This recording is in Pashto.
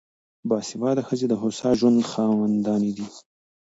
باسواده ښځې د هوسا ژوند خاوندانې دي.